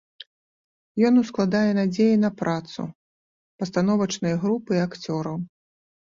Ён ускладае надзеі на працу пастановачнай групы і акцёраў.